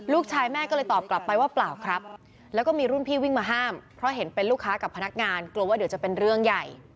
ลูกชายแม่ก็เลยตอบกลับไปว่าเปล่าครับแล้วก็มีรุ่นพี่วิ่งมาห้ามเพราะเห็นเป็นลูกค้ากับพนักงานกลัวว่าเดี๋ยวจะเป็นเรื่องใหญ่